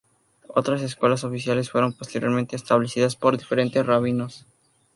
Otras escuelas oficiales fueron posteriormente establecidas por diferentes rabinos.